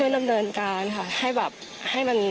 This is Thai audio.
พี่น้องวาหรือว่าน้องวาหรือ